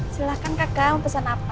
silahkan kakak mau pesen apa